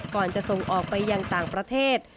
ก่อนจะส่งออกไปยังต่างประเทศ